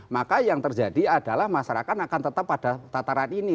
maka yang terjadi adalah masyarakat akan tetap pada tataran ini